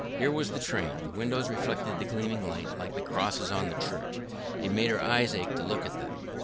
Here was the train; the windows reflected the gleaming light like the crosses on the church: it made her eyes ache to look at them.